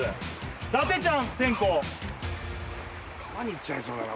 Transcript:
伊達ちゃん先攻川にいっちゃいそうだな